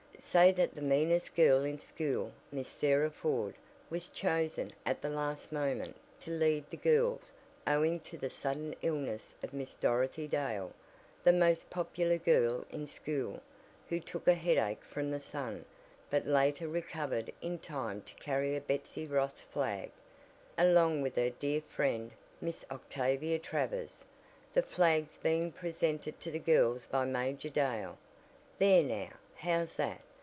"Say that the meanest girl in school, Miss Sarah Ford, was chosen, at the last moment, to lead the girls, owing to the sudden illness of Miss Dorothy Dale, the most popular girl in school, who took a headache from the sun, but later recovered in time to carry a Betsy Ross flag, along with her dear friend, Miss Octavia Travers, the flags being presented to the girls by Major Dale. There now, how's that?"